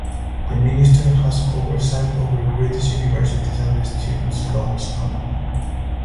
The minister has oversight over British universities and the Student Loans Company.